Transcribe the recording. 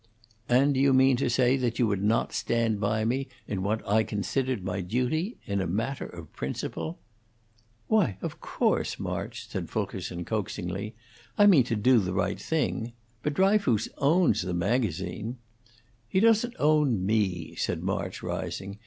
"And do you mean to say that you would not stand by me in what I considered my duty in a matter of principle?" "Why, of course, March," said Fulkerson, coaxingly, "I mean to do the right thing. But Dryfoos owns the magazine " "He doesn't own me," said March, rising.